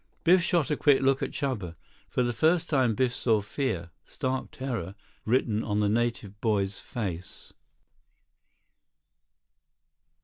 Biff shot a quick look at Chuba. For the first time Biff saw fear—stark terror—written on the native boy's face.